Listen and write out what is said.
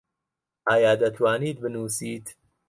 ئایا دەتوانیت بنووسیت؟